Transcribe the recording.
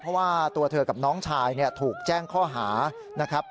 เพราะว่าตัวเธอกับน้องชายถูกแจ้งข้อหานะครับ